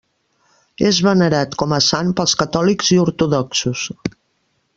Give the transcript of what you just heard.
És venerat com a sant pels catòlics i ortodoxos.